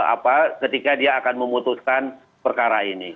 apa ketika dia akan memutuskan perkara ini